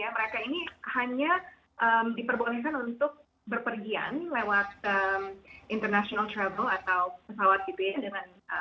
mereka ini hanya diperbolehkan untuk berpergian lewat international travel atau pesawat gitu ya dengan